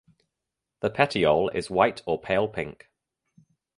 The petiole is white or pale pink.